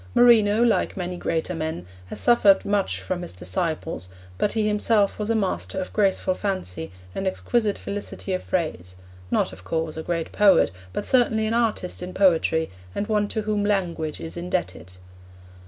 Marino, like many greater men, has suffered much from his disciples, but he himself was a master of graceful fancy and of exquisite felicity of phrase; not, of course, a great poet but certainly an artist in poetry and one to whom language is indebted.